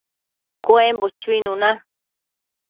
cuembo chuinuna